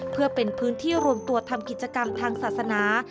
เพื่อเป็นพื้นที่รวมตัวทำกิจกรรมทางศาสนา